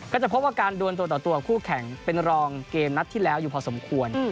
ก็จะพบว่าการดวนตัวต่อตัวคู่แข่งเป็นรองเกมนัดที่แล้วอยู่พอสมควร